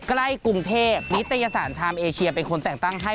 ใกล้กรุงเทพนิตยสารชามเอเชียเป็นคนแต่งตั้งให้